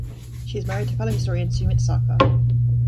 She is married to fellow historian, Sumit Sarkar.